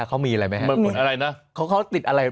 เออก็เลยไม่ได้